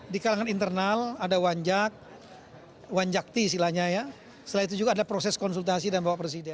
di kalangan internal ada wanjakti setelah itu juga ada proses konsultasi dan bawa presiden